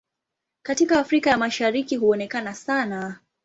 Katika Afrika ya Mashariki huonekana sana.